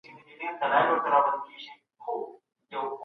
نادان بې ځایه خبري کوي